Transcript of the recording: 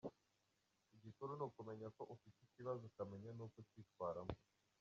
Igikuru ni ukumenya ko ufite ikibazo ukamenya n’uko ucyitwaramo.